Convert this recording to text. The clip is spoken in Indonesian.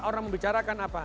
orang membicarakan apa